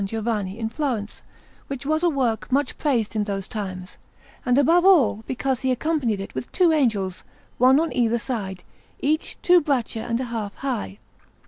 Giovanni in Florence; which was a work much praised in those times, and above all because he accompanied it with two angels, one on either side, each two braccia and a half high.